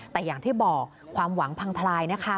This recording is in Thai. แต่อย่างที่บอกความหวังพังทลายนะคะ